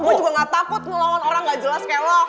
gue juga gak takut ngelawan orang gak jelas kelo